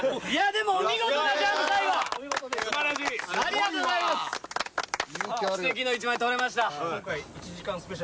でもお見事なジャンプ最後すばらしいありがとうございます奇跡の１枚撮れました